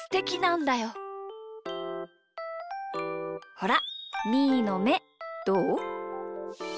ほらみーのめどう？